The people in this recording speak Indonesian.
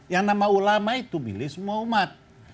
yang nama ulama itu milih semua umat